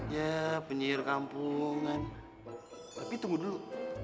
ya penyihir kampung tapi tunggu dulu